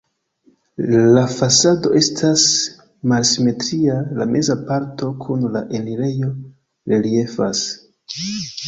La fasado estas malsimetria, la meza parto kun la enirejo reliefas.